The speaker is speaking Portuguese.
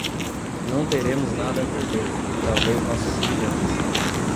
Não teremos nada a perder, talvez nossos grilhões